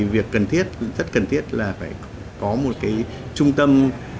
việc cần thiết cũng rất cần thiết là phải có một trung tâm